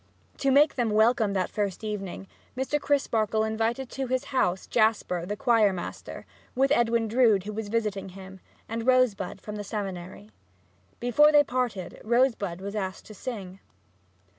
To make them welcome that first evening, Mr. Crisparkle invited to his house Jasper, the choir master, with Edwin Drood, who was visiting him, and Rosebud from the seminary. Before they parted Rosebud was asked to sing.